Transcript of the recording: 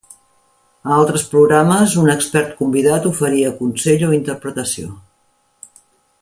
A altres programes, un expert convidat oferia consell o interpretació.